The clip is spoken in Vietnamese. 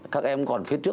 các em còn phía trước